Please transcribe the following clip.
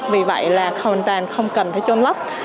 vì vậy là không cần phải chôn lấp